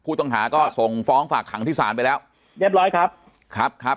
ผู้ต้องหาก็ส่งฟ้องฝากขังที่ศาลไปแล้วเรียบร้อยครับครับ